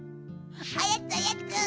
おやつおやつ！